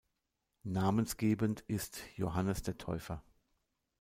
Namensgebend ist Johannes der Täufer.